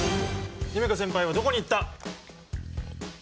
夢叶先輩はどこに行った？